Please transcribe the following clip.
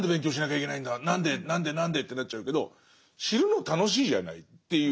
何で何で何でってなっちゃうけど知るの楽しいじゃないっていうこと。